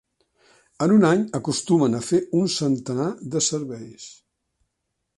En un any acostumen a fer un centenar de serveis.